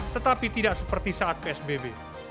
tetapi tidak seperti saat psbb